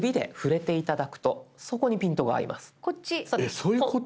えっそういうこと？